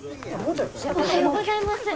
おはようございます。